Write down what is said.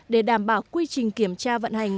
để đảm bảo quy trình kiểm tra vận hành